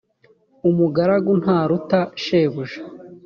umugaragu ntaruta shebuja